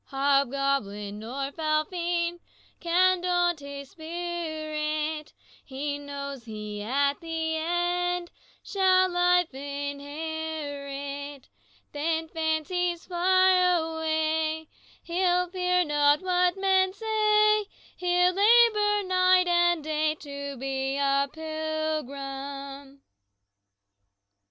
"Hobgoblin nor foul fiend Can daunt his spirit; He knows he at the end Shall life inherit. Then, fancies fly away, He'll fear not what men say; He'll labor night and day To be a pilgrim."